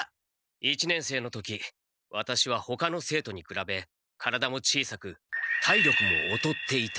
一年生の時ワタシはほかの生徒にくらべ体も小さく体力もおとっていた。